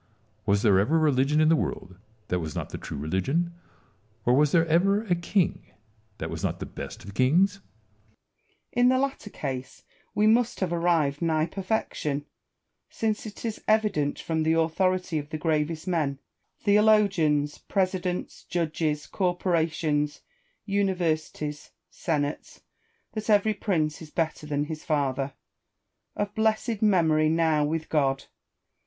Was there ever a religion in the world that was not the true religion, or was there ever a king that was not the best of kings 1 Alfieri. In the latter case we must have arrived nigh perfection ; since it is evident from the authority of the gravest men — theologians, presidents, judges, corporations, universities, senates — that every prince is better than his father, "of blessed memory, now with God."